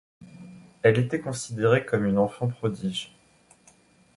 Elle était considérée comme une enfant prodige.